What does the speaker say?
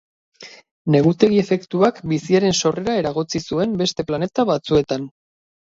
Negutegi efektuak biziaren sorrera eragotzi zuen beste planeta batzuetan.